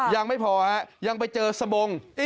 ยังไม่พอฮะยังไปเจอสบง